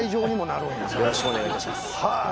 よろしくお願いいたしますはあ